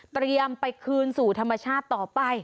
เตรียมไปคืนสู่ธรรมชาติต่อไป